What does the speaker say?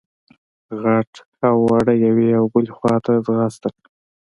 غټ او واړه يوې او بلې خواته ځغاستل.